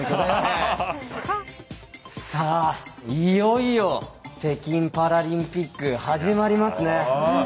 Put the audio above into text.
いよいよ北京パラリンピック始まりますね。